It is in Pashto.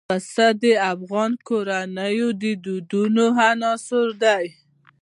پسه د افغان کورنیو د دودونو مهم عنصر دی.